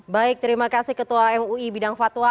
baik terima kasih ketua mui bidang fatwa